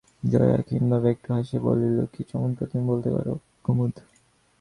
জয়া ক্ষীণভাবে একটু হাসিয়া বলিল, কী চমৎকার তুমি বলতে পারো কুমুদ।